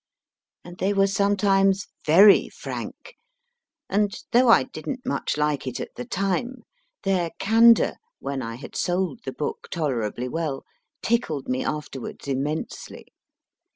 And they were some times very frank ; and, though I didn t much like it at the time, their candour (when I had sold the book tolerably well) tickled me afterwards immensely.